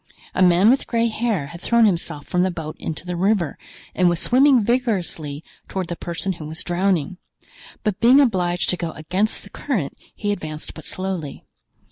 A man with gray hair had thrown himself from the boat into the river and was swimming vigorously toward the person who was drowning; but being obliged to go against the current he advanced but slowly.